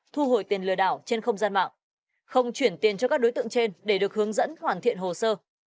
thu hồi tiền lừa đảo trên không gian mạng không chuyển tiền cho các đối tượng trên để được hướng dẫn hoàn thiện hồ sơ